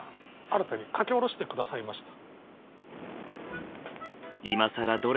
新たに書き下ろしてくださいました。